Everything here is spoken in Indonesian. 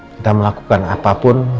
kita melakukan apapun